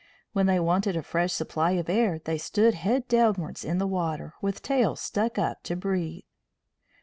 When they wanted a fresh supply of air they stood head downwards in the water, with tails stuck up to breathe.